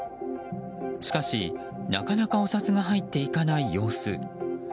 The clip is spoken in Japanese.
しかし、なかなかお札が入っていかない様子。